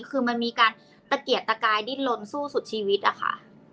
คือมันมีการตะเกียดตะกายดิ้นลนสู้สุดชีวิตอะค่ะ